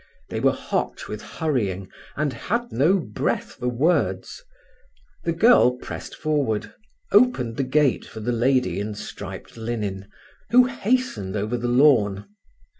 They were hot with hurrying, and had no breath for words. The girl pressed forward, opened the gate for the lady in striped linen, who hastened over the lawn.